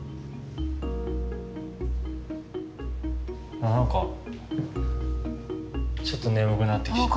ああなんかちょっと眠くなってきちゃった。